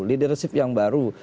leadership yang baru